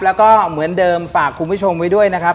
แล้วก็เหมือนเดิมฝากคุณผู้ชมไว้ด้วยนะครับ